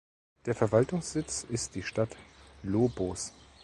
Der Verwaltungssitz ist die Stadt Lobos.